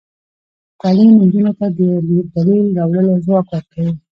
تعلیم نجونو ته د دلیل راوړلو ځواک ورکوي.